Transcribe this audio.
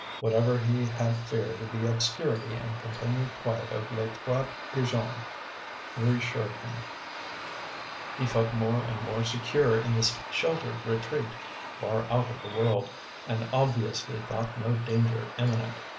Whatever he had feared, the obscurity and continued quiet of LES TROIS PIGEONS reassured him; he felt more and more secure in this sheltered retreat, "far out of the world," and obviously thought no danger imminent.